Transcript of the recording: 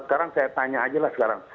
sekarang saya tanya aja lah sekarang